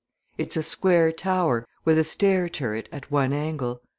It's a square tower, with a stair turret at one angle.